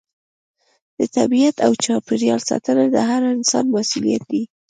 د طبیعت او چاپیریال ساتنه د هر انسان مسؤلیت دی.